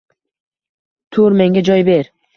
Tur, menga joy ber!